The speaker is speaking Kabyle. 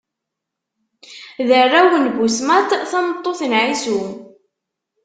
D arraw n Busmat, tameṭṭut n Ɛisu.